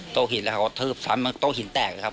โต๊ะหินแล้วเขาก็ทึบทั้งมันโต๊ะหินแตกครับ